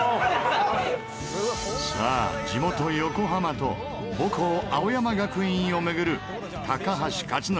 さあ地元横浜と母校青山学院を巡る高橋克典